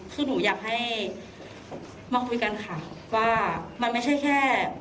คือหนูอยากให้มาคุยกันค่ะว่ามันไม่ใช่แค่